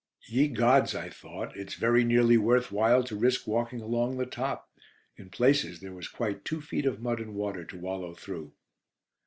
Ye Gods, I thought, it's very nearly worth while to risk walking along the top. In places there was quite two feet of mud and water to wallow through.